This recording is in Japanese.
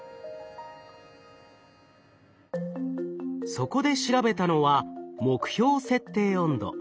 そこで調べたのは目標設定温度。